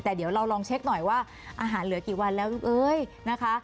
แต่เดี๋ยวเราลองเช็คหน่อยว่าอาหารเหลือกี่วันแล้วลูกเอ้ยนะคะ